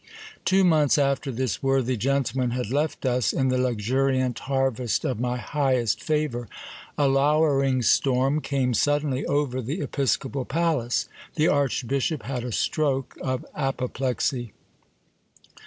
Two months after this worthy gentleman had left us, in the luxuriant harvest j of my highest favour, a lowering storm came suddenly over the episcopal palace ; I the archbishop had a stroke of apoplexy.